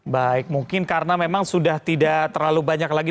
baik mungkin karena memang sudah tidak terlalu banyak lagi